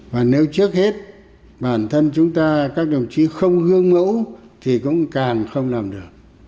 và nếu trước hết bản thân chúng ta các đồng chí không gương mẫu thì cũng càng không làm được